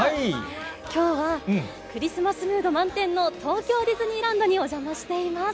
きょうはクリスマスムード満点の東京ディズニーランドにお邪魔しています。